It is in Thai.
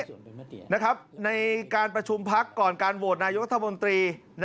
แล้วก็แล้วกลับในปัจฉุมพักก่อนการโหวตนายศบทวนตรี